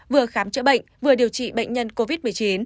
vừa khám chữa bệnh vừa điều trị bệnh nhân covid một mươi chín